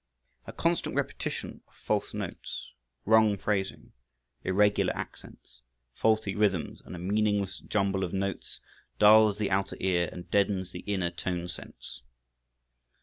A constant repetition of false notes, wrong phrasing, irregular accents, faulty rhythms and a meaningless jumble of notes dulls the outer ear and deadens the inner tone sense.